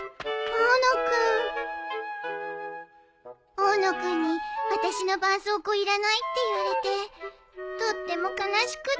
大野君に私のばんそうこう要らないって言われてとっても悲しくて。